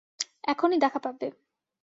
এখনই দেখা পাবে।